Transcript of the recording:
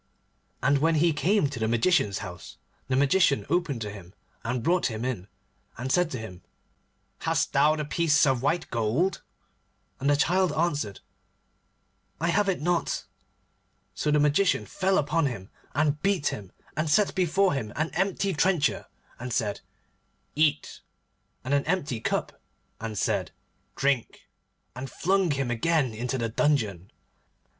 And when he came to the Magician's house, the Magician opened to him, and brought him in, and said to him, 'Hast thou the piece of white gold?' And the Star Child answered, 'I have it not.' So the Magician fell upon him, and beat him, and set before him an empty trencher, and said, 'Eat,' and an empty cup, and said, 'Drink,' and flung him again into the dungeon.